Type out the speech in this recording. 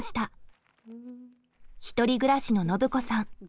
１人暮らしのノブ子さん。